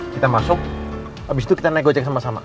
kita masuk abisitu kita naik ojek sama sama